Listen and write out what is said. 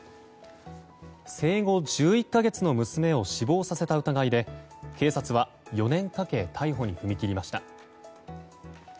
生後１１か月の娘を死亡させた疑いで警察は４年かけ逮捕に踏み切りました。